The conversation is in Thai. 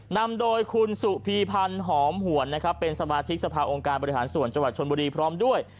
นำโดยคุณสุภีพันธ์หอมหวนนะครับเป็นสมาธิกสภาองค์การบริหารส่วนจังหวัดชนบุรีพร้อมด้วย